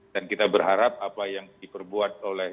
dan kita berharap apa yang diperbuat oleh